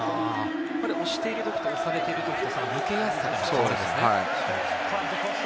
押してるときと、押されてるとき、抜けやすさが違うんですね。